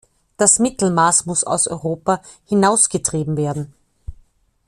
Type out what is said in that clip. Das Mittelmaß muss aus Europa hinausgetrieben werden.